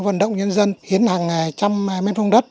vận động nhân dân hiến hàng trăm mên phong đất